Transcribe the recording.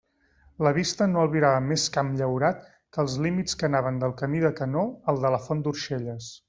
La vista no albirava més camp llaurat que els límits que anaven del camí de Canor al de la font d'Orxelles.